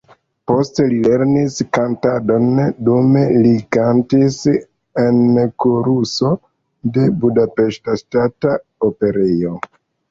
Poste li lernis kantadon, dume li kantis en koruso de Budapeŝta Ŝtata Operejo.